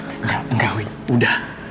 enggak enggak ngui udah